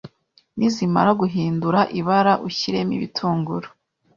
nizimara guhindura ibara ushyiremo ibitunguru